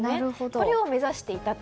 これを目指していたと。